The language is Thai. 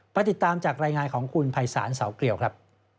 ติดตามจากรายงานของคุณภัยศาลเสาเกลียวครับ